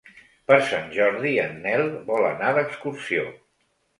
Per Sant Jordi en Nel vol anar d'excursió.